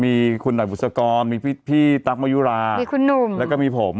มีคุณหน่อยบุษกรมีพี่ตั๊กมะยุรามีคุณหนุ่มแล้วก็มีผม